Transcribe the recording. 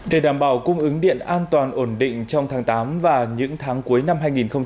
để đảm bảo cung ứng điện an toàn ổn định trong tháng tám và những tháng cuối năm hai nghìn hai mươi